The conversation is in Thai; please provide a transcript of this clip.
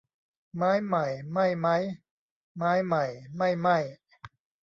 ไม้ใหม่ไหม้มั้ย ไม้ใหม่ไม่ไหม้